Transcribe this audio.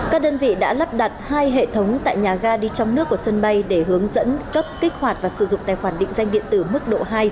các đơn vị đã lắp đặt hai hệ thống tại nhà ga đi trong nước của sân bay để hướng dẫn cấp kích hoạt và sử dụng tài khoản định danh điện tử mức độ hai